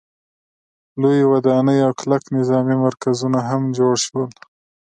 لویې ودانۍ او کلک نظامي مرکزونه هم جوړ شول.